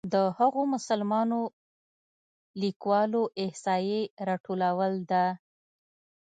د هغو مسلمانو لیکوالو احصایې راټولول ده.